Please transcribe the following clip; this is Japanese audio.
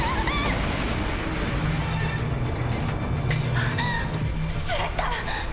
はっスレッタ！